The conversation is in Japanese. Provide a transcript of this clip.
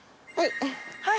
はい。